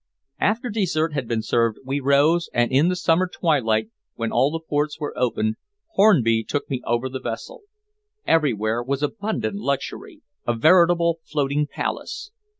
After dessert had been served we rose, and in the summer twilight, when all the ports were opened, Hornby took me over the vessel. Everywhere was abundant luxury a veritable floating palace.